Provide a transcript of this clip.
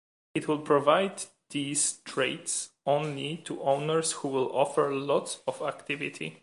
It will provide these traits only to owners who will offer lots of activity.